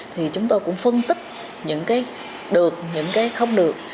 thì chúng tôi cũng phân tích những cái được những cái không được